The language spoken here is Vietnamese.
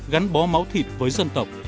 gắn bó máu thịt với dân tộc